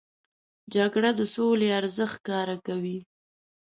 جګړه د سولې ارزښت ښکاره کوي